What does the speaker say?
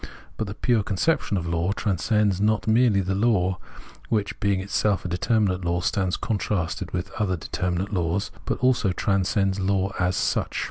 But the pure conception of law transcends not merely the law, which, being itself a determinate law, stands contrasted with other de terminate laws, but also transcends law as such.